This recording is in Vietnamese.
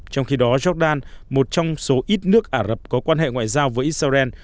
trong khi đó jordan một trong số ít nước ả rập có quan hệ ngoại giao với israel